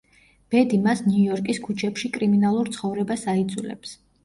ბედი მას ნიუ-იორკის ქუჩებში კრიმინალურ ცხოვრებას აიძულებს.